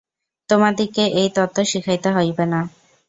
তোমাদিগকে এই তত্ত্ব শিখাইতে হইবে না।